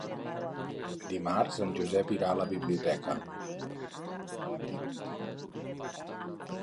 Dimarts en Josep irà a la biblioteca.